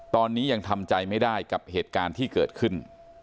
ตอนนี้ยังทำใจไม่ได้กับเหตุการณ์ที่เกิดขึ้น